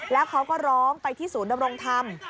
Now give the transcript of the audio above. แล้วเขาก็ร้องไปที่ศูนย์ดำรงธรรม